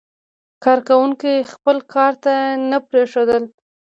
کارکوونکي خپل کار ته نه پرېښودل.